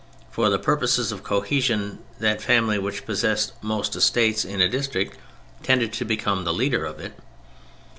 For the purposes of cohesion that family which possessed most estates in a district tended to become the leader of it.